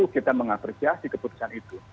kita mengapresiasi keputusan itu